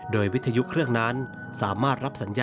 โดยวิทยุเครื่องนั้นสามารถรับสัญญา